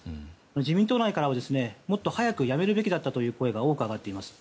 自民党内からは、もっと早く辞めるべきだったという声が多く上がっています。